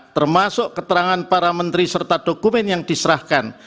termasuk keterangan para menteri serta dokumen yang diserahkan